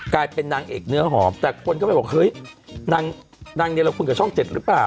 กลายเป็นนางเอกเนื้อหอมแต่คนก็ไปบอกเฮ้ยนางเนี่ยเราคุยกับช่องเจ็ดหรือเปล่า